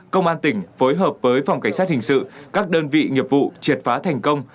công an tỉnh phối hợp với phòng cảnh sát hình sự các đơn vị nghiệp vụ triệt phá thành công